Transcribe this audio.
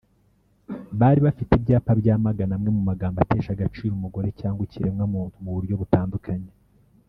bari bafite ibyapa byamagana amwe mu magambo atesha agaciro umugore cyangwa ikiremwamuntu mu buryo butandukanye